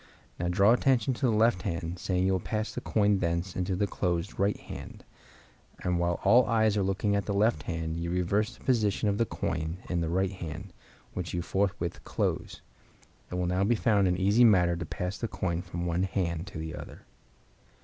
Now draw attention to the left hand, saying you will pass the coin thence into the closed right hand; and while all eyes are looking at the left hand you reverse the position of the coin in the right hand, which you forthwith close. It will now be found an easy matter to pass the coin from one hand to the other.